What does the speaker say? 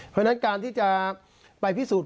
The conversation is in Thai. เพราะฉะนั้นการที่จะไปพิสูจน์